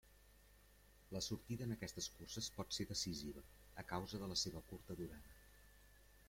La sortida en aquestes curses pot ser decisiva, a causa de la seva curta durada.